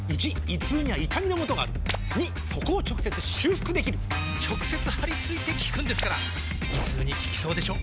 ①胃痛には痛みのもとがある②そこを直接修復できる直接貼り付いて効くんですから胃痛に効きそうでしょ？